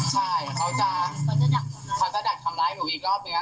ใช่เขาจะดัดทำร้ายหนูอีกรอบนึงนะ